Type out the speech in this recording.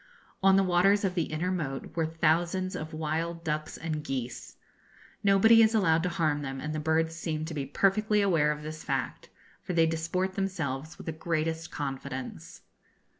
On the waters of the inner moat were thousands of wild ducks and geese. Nobody is allowed to harm them, and the birds seem to be perfectly aware of this fact, for they disport themselves with the greatest confidence.